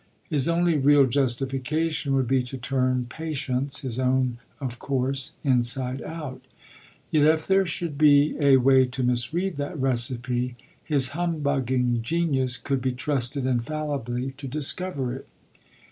His only real justification would be to turn patience his own of course inside out; yet if there should be a way to misread that recipe his humbugging genius could be trusted infallibly to discover it.